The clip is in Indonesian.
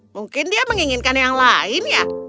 mungkin dia menginginkan yang lain ya